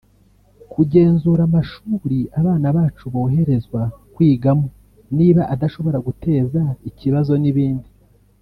kugenzura amashuri abana bacu boherezwa kwigamo niba adashobora guteza ikibazo n’ibindi